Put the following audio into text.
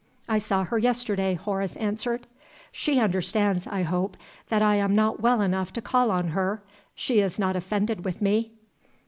"I saw her yesterday," Horace answered. "She understands, I hope, that I am not well enough to call on her? She is not offended with me?"